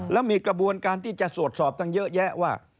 แล้วมีกระบวนการที่จะตรวจสอบตั้งเยอะแยะว่า